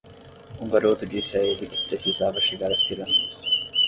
O garoto disse a ele que precisava chegar às pirâmides.